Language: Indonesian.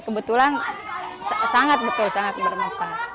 kebetulan sangat betul sangat bermanfaat